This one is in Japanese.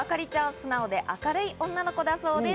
素直で明るい女の子だそうです。